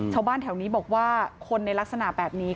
ชาวบ้านแถวนี้บอกว่าคนในลักษณะแบบนี้